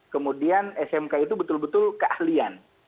kemudian smk itu betul betul keahlian